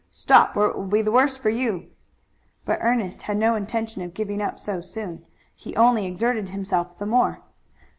Stop, or it will be the worse for you!" But Ernest had no intention of giving up so soon. He only exerted himself the more.